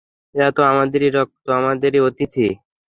এরা তো আমাদেরই রক্ত, আমাদেরই অতিথি।